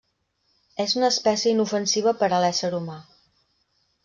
És una espècie inofensiva per a l'ésser humà.